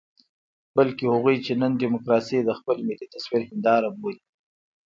بلکې هغوی چې نن ډيموکراسي د خپل ملي تصوير هنداره بولي.